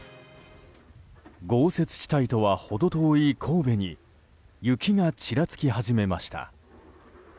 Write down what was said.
豪雪地帯とは程遠い神戸に雪がちらつき始めました。